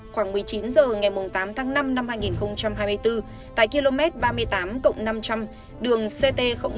khoảng một mươi chín h ngày tám tháng năm năm hai nghìn hai mươi bốn tại km ba mươi tám năm trăm linh đường ct một